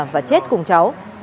và chết cùng cháu